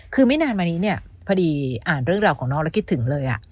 คือไม่นานมานี้เนี่ยพอดีอ่านเรื่องราวของน้องแล้วคิดถึงเลย